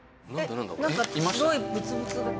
なんか白いブツブツが。